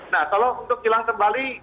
nah kalau untuk hilang kembali